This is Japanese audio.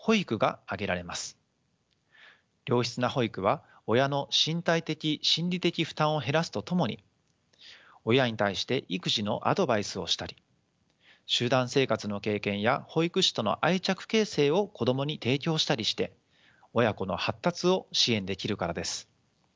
良質な保育は親の身体的・心理的負担を減らすとともに親に対して育児のアドバイスをしたり集団生活の経験や保育士との愛着形成を子どもに提供したりして親子の発達を支援できるからです。